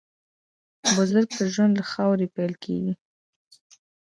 بزګر ته ژوند له خاورې پیل کېږي